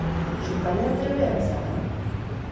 Sukaldean trebea al zara?